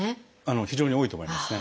非常に多いと思いますね。